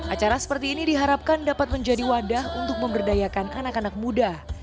acara seperti ini diharapkan dapat menjadi wadah untuk memberdayakan anak anak muda